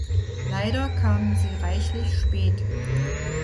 Leider kamen sie reichlich spät.